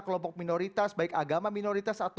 kelompok minoritas baik agama atau juga kemampuan agama